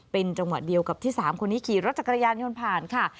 เป็นจังหวะเดียวกับที่๓คนนี้ขี่รถจักรยานยนต์ผ่านค่ะ